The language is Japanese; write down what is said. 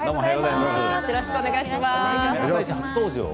よろしくお願いします。